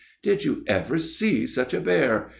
"Did you ever see such a bear!